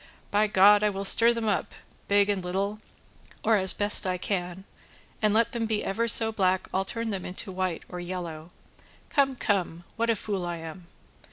By God I will stir them up, big and little, or as best I can, and let them be ever so black I'll turn them into white or yellow. Come, come, what a fool I am!"